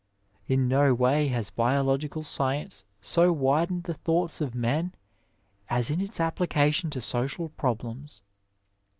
In no way has biological science so widened the thoughts of men as in its application to social problems.